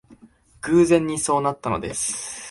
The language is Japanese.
偶然にそうなったのです